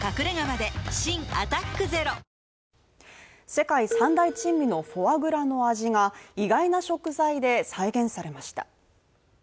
世界３大珍味のフォアグラの味が、意外な食材で再現されました。